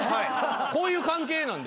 こういう関係なんで。